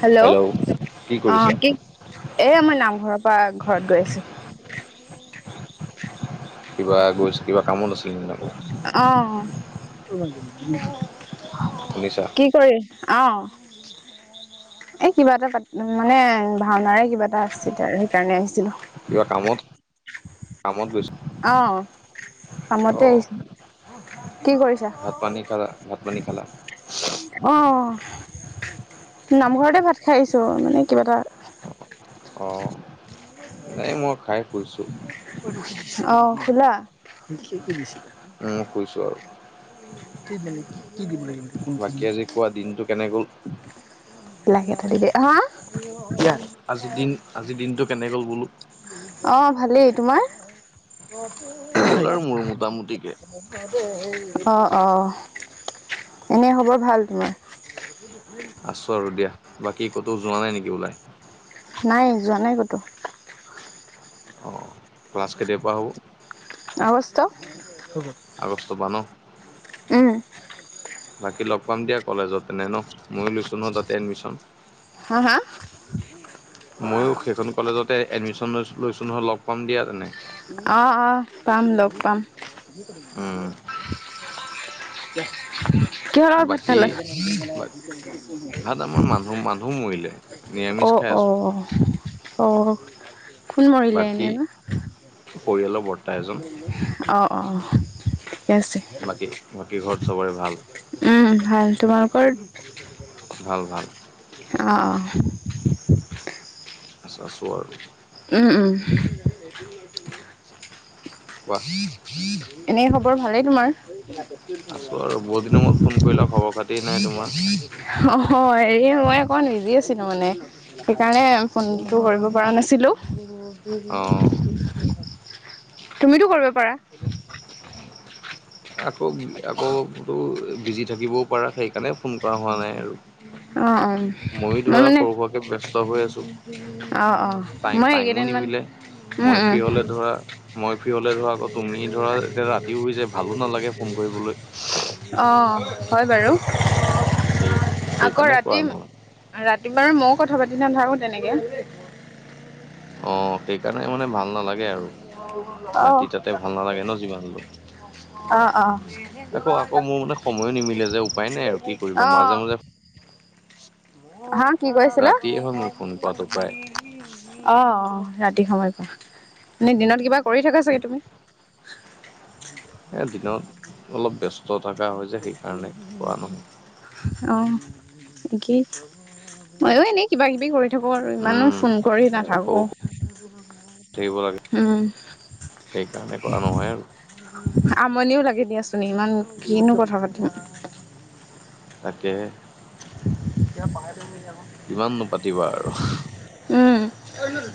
Hello! কি অঁ কৰিছা? কি এ মই নামঘৰৰ পৰা ঘৰত গৈ আছো। [unintelligible] কিবা গৈছ [unintelligible] আছিল নেকি আকৌ অঁ! [inaudible] [unintelligible] শুনিছা? কি কৰি আহ [inaudible] এ কিবা এটা পা [unintelligible] মানে ভাওনাৰে কিবা এটা আছিল আৰু সেইকাৰণে আহিছিলো। [unintelligible] কিবা কামত-কামত গৈছ [unintelligible] অঁ! [unintelligible] কামতে অ', আহিছোঁ। কি কৰিছা? ভাত পানী খালা ভাত পানী খালা [unintelligible] অ নামঘৰতে ভাত খাইছো মানে কিবা এটা অ ন মই খাই শুইছো অ খোলা মই কইছোঁ আৰু কি মানে কি কি দিব লাগিব বাকী আজি কোৱা দিনটো কেনে গ'ল লাগে হা [unintelligible] আজিৰ দিন আজিৰ দিনটো কেনেকে বোলো অ ভালেই তোমাৰ অ গ'ল আৰু মোৰ মোটামুটিকে অ এনে খবৰ ভাল তোমাৰ [unintelligible] আছোঁ আৰু দিয়া বাকী ক'তো যোৱা নাই নেকি ওলাই নাই যোৱা নাই কতো অ', ক্লাছ কেতিয়াৰ পৰা হ'ব? আগষ্ট [unintelligible] উম বাকী লগ পাম দিয়া কলেজত তেনে ন ময়ো লৈছোঁ নহয় তাতে এডমিশ্যন হা হা ময়ো সেইখন কলেজতে এডমিশ্যন লৈছো লৈছোঁ নহয় লগ পাম দিয়া তেনে অ' অ' পাম লগ পাম উম, [inaudible] কিহৰ লগত ভাত বাকী খালা বা ভাত আমাৰ মানুহ মানুহ মৰিলে নিৰামিষ অ' খাই আছোঁ অ' অ' কোন মৰিলে বাকী এনেই বা পৰিয়ালৰ বৰ্তা এজন অ' অ' আছে। বাকী বাকী ঘৰত চবৰে ভাল উম ভাল তোমালোকৰ [unintelligible] ভাল ভাল আহ অ আছো আৰু ওম ওম কোৱা এনে খবৰ ভালেই তোমাৰ [inaudible] অ' আছোঁ আৰু বহুত দিনৰ মূৰত ফোন কৰিলা খবৰ খাতি নাই তোমাৰ হেৰি মই অকমান বিজি আছিলো মানে সেইকাৰণে ফোনটো কৰিব পৰা নাছিলোঁ অ' তুমিতো কৰিব পাৰা আকৌ আকৌ বিজি থাকিবও পাৰা সেইকাৰণে ফোন কৰা হোৱা নাই আৰু অ' অ' ময়ো মই ধৰা মানে সৰু সুৰাকে ব্যস্ত হৈ আছোঁ অ' অ' টাইম মই টাইমো এইকেইদিনমান নিমিলে মই ফ্ৰী হলে ধৰা মই ফ্ৰী হলে ধৰা আকৌ তুমি ধৰা এতিয়া ৰাতিও হৈ যায় ভালো নালাগে ফোন কৰিবলৈ অ' হয় বাৰু সেই আকৌ সেইকাৰণে কৰা ৰাতি নহয় ৰাতি বাৰু মইও কথা পাতি নাথকো তেনেকে অ' সেইকাৰণে মানে ভাল নালাগে আৰু অ', ৰাতি তাতে ভাল নালাগে ন যিমান হলেও। অ' অ' আকৌ আকৌ মোৰ মানে সময়ো নিমিলে যে উপায় নাই আৰু কি কৰিবা অ'। মাজে মাজে হা কি কৈছিলা। ৰাতিয়ে হয় মোৰ ফোন কৰাটো প্ৰায় অ' অ' ৰাতি সময় কুৱো এই দিনত কিবা কৰি থাক চাগে তুমি। দিনত অলপ ব্যস্ত থকা হয় যে সেইকাৰণে কৰা নহয়। অ'ঠিকে ময়ো এনেই কিবা কিবি কৰি। থাকো আৰু ইমানো উম ফোন কৰি এ সৰু নাথাকো। সৰু থাকিব লাগে উম, সেইকাৰণে কৰা নহয় আৰু। আমনিও লাগে দিয়াচোন ইমান কিনো কথা পাতিম। তাকে। [inaudible] কিমান নো পাতিবা আৰু। উম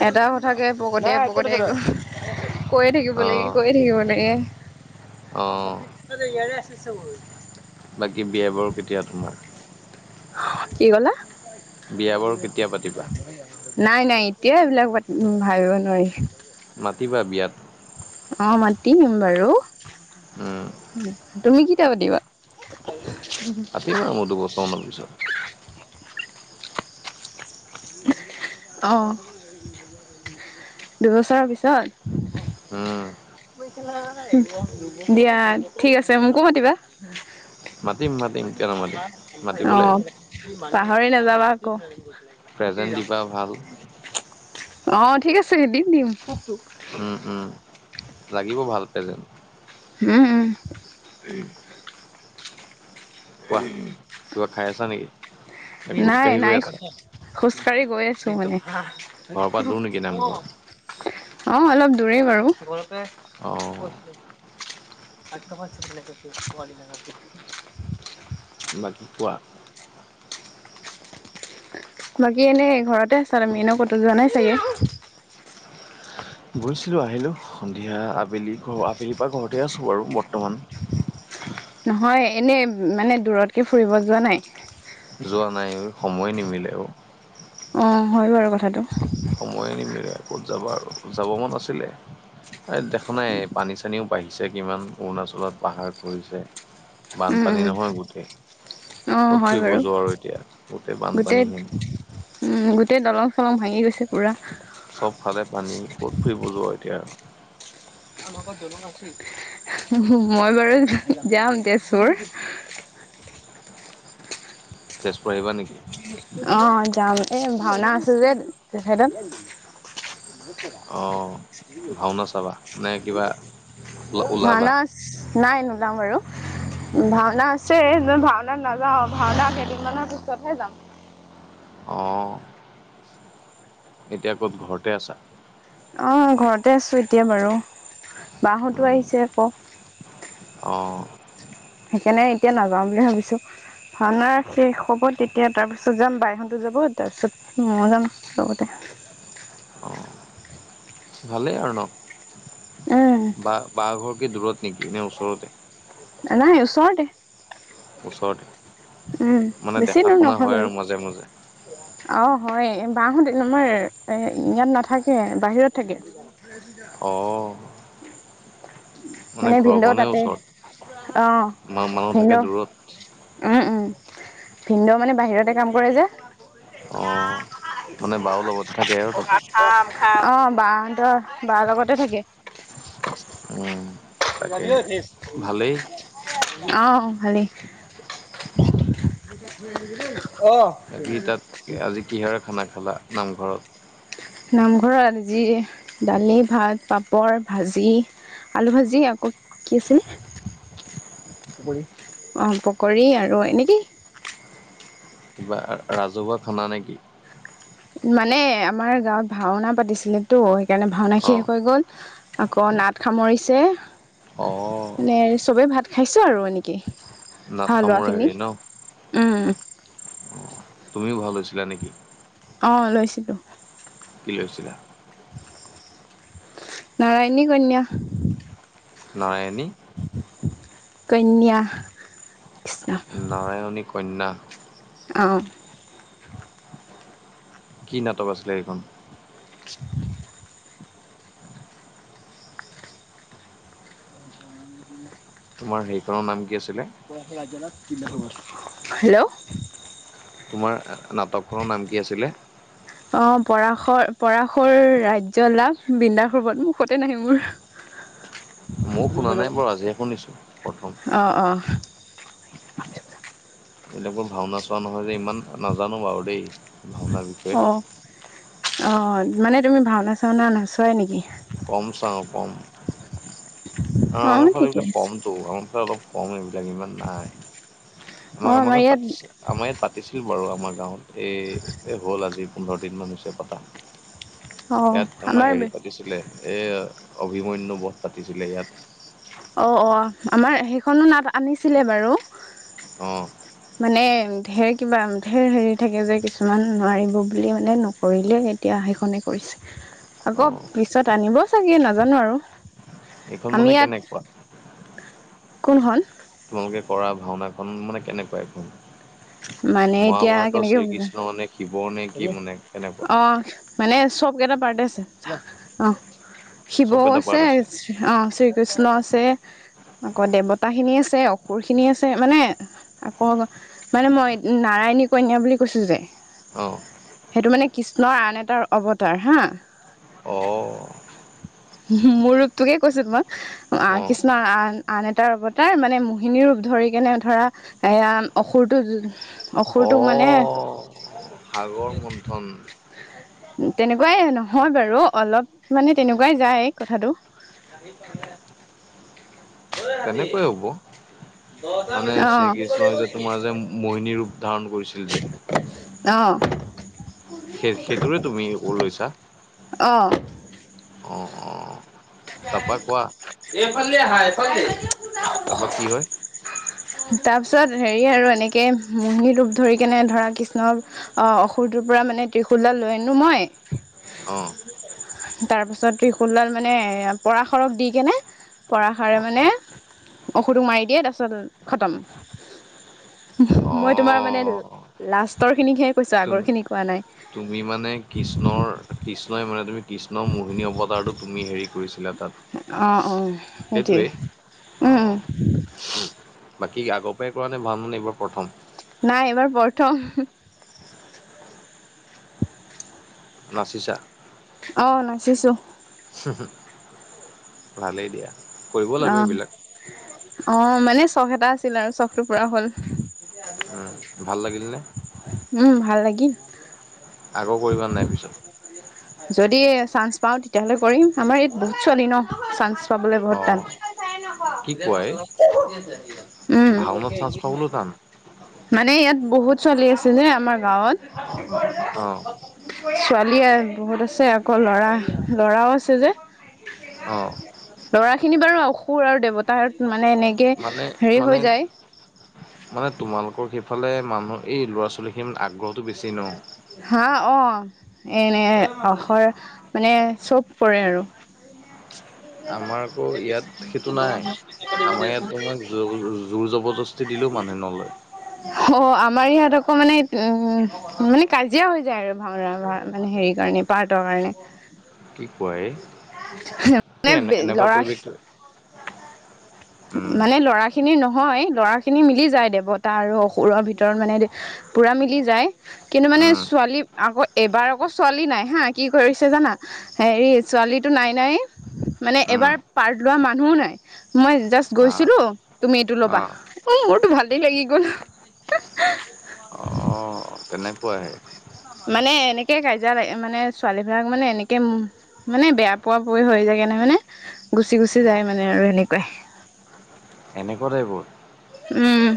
এটা কথাকে পকতিযায় পকতিযায় কৈয়ে থাকিব অ লাগে কৈয়ে থাকিব লাগে। অ বাকী বিয়া বাৰু কেতিয়া তোমাৰ। কি কলা। বিয়া বাৰু কেতিয়া পাতিবা নাই নাই এতিয়া এইবিলাক ভাবিব নোৱাৰি। মাতিবা বিয়াত। অ' মাতিম বাৰু। উম তুমি কেতিয়া পাতিবা। পাতিম আৰু মইও দুবছৰ মান পিছত। অ'। দুবছৰৰ পিছত উম দিয়া ঠিক আছে মোকো মাতিবা। মাতিম মাতিম কিয় নামাতিম মাতিব অ। লাগিব পাহৰি নাযাবা আকৌ। প্ৰেজেন্ট দিবা ভাল অ ঠিক আছে দি দিম। উম উম লাগিব ভাল পেজেন্ত। উম উম। কোৱা কিবা খাই আছা নেকি খোজকাঢ়ি গৈ আছ। খোজ কাঢ়ি গৈ আছো মানে। ঘৰৰ পৰা দূৰ নেকি নামঘৰ অ' অলপ দূৰেই বাৰু। [inaudible] অঁ বাকী কোৱা। বাকী এনেই ঘৰতে আছা তুমি এনেও কতো যোৱা নাই চাগে। গৈছিলোঁ আহিলোঁ সন্ধিয়া আবেলি ঘৰ আবেলিৰ পৰা ঘৰতে আছোঁ আৰু বৰ্তমান। নহয় এনে মানে দূৰতকে ফুৰিব যোৱা নাই। যোৱা নাই সময় নিমিলে অ। অ হয় বাৰু কথাটো। মই নিম আৰু ক'ত যাব যাব মন আছিলে। এই দেখা নাই পানী চানীও বাঢ়িছে কিমান অৰুণাচলত পাহাৰ খহিছে। উম, বানপানী উম, নহয় গোটেই। অ', কত হয় ফুৰিব বাৰু যোৱা আৰু এতিয়া গতে গোটেই বানপানীহীন। উম গোটেই দলং চলং ভাঙি গৈছে পুৰা। চবফালে পানী ক'ত ফুৰিব যোৱা এতিয়া। মই বাৰু যাম তেজপুৰ। তেজপুৰ আহিবা নেকি। অ যাম এ ভাওনা আছো যে তেখেতৰ। অঁ ভাওনা চাবা নে কিবা ওলাবা ভাওনা আছ নাই নোলাম আৰু। ভাওনা আছে ভাওনাত নাযাওঁ ভাওনা কেইদিনমানৰ পিছতহে যাম। অঁ। এতিয়া ক'ত ঘৰতে আছা? অঁ ঘৰতে আছোঁ এতিয়া বাৰু বা হঁতো উম, আহিছে আকৌ। অঁ' সেইকাৰণে এতিয়া নাযাওঁ বুলি ভাবিছো। ভাওনা শেষ হ'ব তেতিয়া তাৰপিছত যাম বাইহঁতো যাব তাৰপিছত ময় যাম। হ'ব দে। অঁ ভালেই আৰু ন। উম বা বা ঘৰ কি দূৰত? নেকি নে ওচৰতে? নাই ওচৰতে। ওচৰতে উম মানে বেছি দেখা দূৰ শুনা নহয় বাৰু হয় আৰু মাজে মাজে। অ হয় বা হতে আমাৰ এ ইয়াত নাথাকে বাহিৰত থাকে। অঁ মানে ভিনদেউ ঘৰখনেই তাতে ওচৰত অ মা মানুহ থাকে ভিনদেউ। দূৰত অঁ' উম ভিনদেউ মানে বাহিৰতে কাম কৰে যে। অঁ মানে বাও লগতে থাকে আৰু তাতে অঁ' বা হতৰ বা লগতে থাকে। উম। তই যাব তাকে ঐ দেছ। ভালেই অঁ' ভালেই। অ। কিহৰে খানা খালা নামঘৰত? নামঘৰত যি দালি, ভাত, পাপৰ, ভাজি। আলু ভাজি আকৌ কি আছিলে। পকৰী অঁ পকৰী আৰু এনেকে। কিবা ৰাজহুৱা খানা নেকি? মানে আমাৰ গাঁৱত ভাওনা পাতিছিলেতো সেইকাৰণে ভাওনা শেষ অ', হৈ গ'ল। আকৌ নাট সামৰিছে। অ'। মানে চবে ভাত খাইছে আৰু এনে কে ভাও নাটসামোৰা লোৱাখিনি হেৰি ন? উম। তুমিও ভাও লৈছিলা নেকি? অঁ' লৈছিলো। কি লৈছিলা? [inaudible] নাৰায়ণী কন্যা। নাৰায়নী। কন্যা কৃষ্ণ। নাৰায়ণী কন্যা। অঁ। কি নাটক আছিলে এইখন? [inaudible] তোমাৰ হেৰিখনৰ নাম কি আছিলে হেল্ল তোমাৰ আ নাটকখনৰ নাম কি আছিলে অ পৰাশৰ পৰাশৰ ৰাজ্য লাভ বৃন্দাশ্ৰৱণ মুখতে নাহে মোৰ। [inaudible] মইয়ো শুনা নাই বাৰু আজিহে শুনিছোঁ প্ৰথম। অ অহ। মোৰ যে ভাওনা চোৱা নহয় যে ইমান নাজানো বাৰু দেই। ভাওনাৰ বিষয়ে। অ অ মানে তুমি ভাওনা চাওনা নোচোৱাই নেকি কম চাওঁ কম অঁ আমাৰফালে ঠিকে এইবিলাক আছে কম ত' আমাৰ ফালে অলপ কম এইবিলাক ইমান নাই। আমা অঁ আমাৰ ইয়াত পাতিছ আমাৰ ইয়াত পাতিছিলো বাৰু আমাৰ গাঁৱত এই এ হ'ল আজি পোন্ধৰ দিন মান হৈছে পতা অঁ ইয়াত তোমাৰ আমাৰ হেৰি পাতিছিলে এই অভিমন্যু বধ পাতিছিলে ইয়াত। অ অ আমাৰ সেইখনো নাট আনিছিলে বাৰু। অ মানে ঢেৰ কিবা ঢেৰ হেৰি থাকে যে কিছুমান নোৱাৰিব বুলি মানে নকৰিলেই এতিয়া সেইখনে কৰিছে অ আকৌ পিছত আনিব চাগে নাজানো আৰু। এইখন মানে আমি কেনেকুৱা ইয়াত কোন খন তোমালোকে কৰা ভাওনাখন মানে কেনেকুৱা এইখন মানে এতিয়া মহাভাৰতৰ কেনেকৈ বুজা শ্ৰীকৃষ্ণ মানে শিৱ নে কি মানে কেনেকুৱা অ মানে চব কেইটা পাৰ্ট আছে অ শিবও চবকেইটা আছে। পাৰ্ট অ শ্ৰীকৃষ্ণ আছে। আকৌ দেৱতাখিনি আছে অসুৰখিনি আছে মানে আকৌ মানে মই নাৰায়ণী কন্যা বুলি কৈছোঁ যে। অ সেইটো মানে কৃষ্ণৰ আন এটাৰ অৱতাৰ হা অ হুম মোৰ ৰূপটোকে কৈছো তোমাক। আ, অ কৃষ্ণৰ আন আন এটাৰ অৱতাৰ মানে মোহিনী ৰূপ ধৰি কেনে ধৰা এয়াম অসুৰটো অ অসুৰটো মানে সাগৰ মুণ্ঠন। [unintelligible] উম, তেনেকুৱাই নহয় বাৰু অলপ মানে তেনেকুৱা কোৱাই যাই কথাটো। তেনেকুৱায়ে হ'ব মানে অ শ্ৰী কৃষ্ণই যে তোমাৰ যে মুহিনী ৰূপ ধাৰণ কৰিছিল যে। অ সেই সেইটোৰে তুমি ওৰ লৈছা। অ অহ, তাপা কোৱা এইফালেদি আহা এইফালেদি তাৰপৰা কি হয় তাৰপিছত হেৰি আৰু এনেকে মোহিনী ৰূপ ধৰি কেনে ধৰা কৃষ্ণ অ অসুৰটোৰ পৰা মানে ত্ৰিশোল দাল লৈ আনো মই। অ তাৰপাছত ত্ৰিশূলডাল মানে পৰাশৰক দি কেনে পৰাশৰে মানে অসুৰটোক মাৰি দিয়ে তাপিছত খতম। অ মই তোমাৰ মানে লাষ্টৰ খিনিকহে কৈছো তুম আগৰ খিনি কোৱা নাই। তুমি মানে কৃষ্ণৰ কৃষ্ণই মানে তুমি কৃষ্ণৰ মোহিনী অৱতাৰটো তুমি হেৰি কৰিছিলা। তাত অ', অ', সেইটোয়ে সেইটোৱে অ উম, উম। [unintelligible] বাকী আগৰ পৰাই কৰা নাই ভাল মানে এইবাৰ প্ৰথম? নাই এইবাৰ প্ৰথম। নাচিছা? অ', নাচিছো। [inaudible] ভালেই দিয়া। কৰিব লাগে অ', এইবিলাক অ', মানে চখ এটা আছিল আৰু চখটো পুৰা হ'ল। তেতিয়া আজি নে কলি উম ভাল লাগিল নে? উম, ভাল লাগিল। আকৌ কৰিবা নাই পিছত? [unintelligible] যদি চান্স পাওঁ তেতিয়াহ'লে কৰিম, আমাৰ ইয়াত বহুত ছোৱালী ন' চান্স চাবলে অ বহুত টান। কি কোৱা এই [unintelligible] উম। ভাওনাত চান্স পাবলৈও টান মানে ইয়াত বহুত ছোৱালী আছিলে আমাৰ গাঁৱত। অ ছোৱালীয়ে বহুত আছে আকৌ ল'ৰা-ল'ৰাও আছে যে। অ ল'ৰা খিনি বাৰু অসুৰ আৰু দেৱতাৰ মানে এনেকে মানে হেৰি মানে হৈ যায়। মানে তোমালোকৰ সেইফালে মানুহৰ এই ল'ৰা ছোৱালীখিনি আগ্ৰহ [unintelligible] হা অ', এনেৰ অসৰ মানে চব কৰে আৰু। আমাৰ আকৌ ইয়াত সেইটো নাই। আমাৰ ইয়াত তোমাক জোৰ-জোৰ জবৰদস্তি দিলেও মানুহে নলয়। অ', আমাৰ ইয়াত আকৌ মানে উম মানে কাজিয়া হৈ যায় আৰু ভাওনা ভা মানে হেৰি কাৰণে পাৰ্টৰ কাৰণে। কি কোৱা এ? মানে এনে [unintelligible] এনেকুৱা লৰা, পৰিৱেশটো উম মানে লৰা খিনি নহয় ল'ৰা খিনি মিলি যায় দেৱতা আৰু অসুৰৰ ভিতৰত মানে পুৰা মিলি যায়। কিন্তু মানে উম ছোৱালী আকৌ এবাৰ আকৌ ছোৱালী নাই হা কি কৰিছে জানা? হেৰি ছোৱালীটো নাই নাইয়ে মানে উম এইবাৰ পাৰ্ট লোৱা মানুহো নাই। মই জাষ্ট আহ গৈছিলোঁ তুমি এইটো ল'বা আহ উম, মোৰতো ভালেই লাগি গ'ল। [unintelligible] কেনেকুৱা আহে? মানে এনেকে কাজিয়া লাগে মানে ছোৱালী বিলাক মানে এনেকে মানে বেয়া পোৱা পৰি হৈ যায় কাৰণে মানে গুচি গুচি যায় মানে আৰু এনেকুৱাই। এনেকুৱা টাইপৰ উম,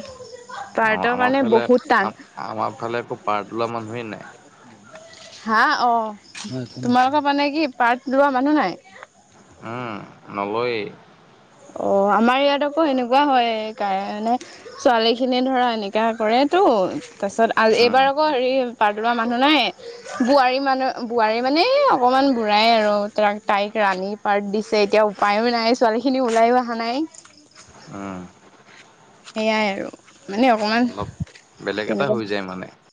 পাৰ্ত অঁ আমাৰ ফালে আ-আমাৰ ফালে আকৌ পাৰ্ট লোৱা মানুহেই নাই। হা অ', তোমালোকৰ মানে কি পাৰ্ট লোৱা মানুহ নাই? উ নলয়ে অ', আমাৰ ইয়াত আকৌ এনেকুৱা হয় কাৰণে ছোৱালীখিনিয়ে ধৰা এনেকা কৰেতো তাছত আ উম এইবাৰ আকৌ হেৰি পাৰ্ত ৰুৱা মানুহ নাই বোৱাৰী মানুহ বোৱাৰী মানে অকণমান বুঢ়াই আৰু তাক তাইক ৰানী পাৰ্ট দিছে এতিয়া উপায়ো নাই ছোৱালী খিনি ওলাইয়ো অহা নাই। উম সেয়াই আৰু মানে অকমান অলপ বেলেগ এটা হৈ তেনেকুৱা যায় মানে।